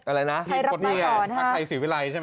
อะไรนะที่กดเงียภาคไทยสีวิรัยใช่ไหม